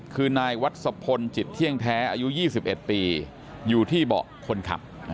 คือนายวัศพลจิตเที่ยงแท้อายุ๒๑ปีอยู่ที่เบาะคนขับ